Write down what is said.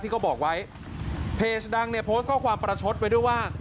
เขาบอกไว้เพจดังเนี่ยโพสต์ข้อความประชดไปด้วยว่า